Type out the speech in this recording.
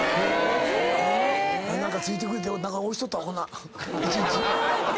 何かついてくれて押しとったわこんなん一日。